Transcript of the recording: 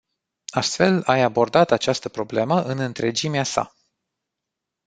Astfel ai abordat această problemă în întregimea sa.